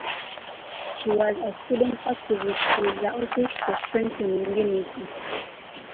She was a student activist with the Office for Strengthening Unity.